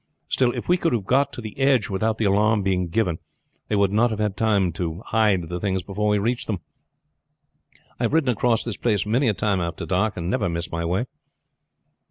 Still if we could have got to the edge without the alarm being given, they would not have time to hide the things before we reached them. I have ridden across this place many a time after dark, and never missed my way."